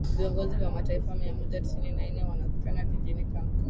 viongozi wa mataifa mia moja tisini na nne wanakutana jijini kangkon